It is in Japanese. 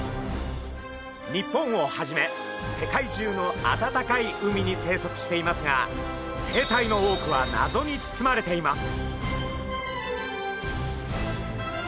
日本をはじめ世界中の暖かい海に生息していますが生態の多くは謎につつまれています。